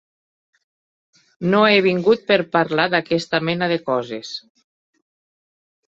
No he vingut per parlar d'aquesta mena de coses.